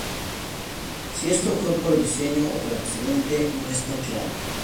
Si esto fue por diseño o por accidente no está claro.